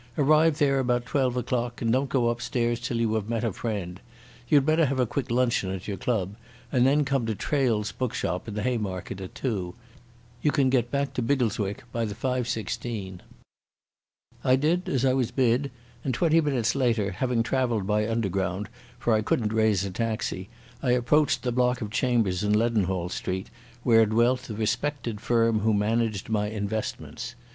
Arrive there about twelve o'clock and don't go upstairs till you have met a friend. You'd better have a quick luncheon at your club, and then come to Traill's bookshop in the Haymarket at two. You can get back to Biggleswick by the 5.16." I did as I was bid, and twenty minutes later, having travelled by Underground, for I couldn't raise a taxi, I approached the block of chambers in Leadenhall Street where dwelt the respected firm who managed my investments.